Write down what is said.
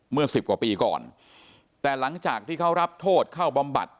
สิบกว่าปีก่อนแต่หลังจากที่เขารับโทษเข้าบำบัด